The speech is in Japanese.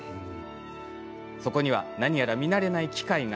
そこにはなにやら見慣れない機械が。